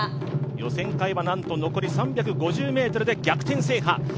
予選会は、なんと残り３５０ｍで逆転制覇。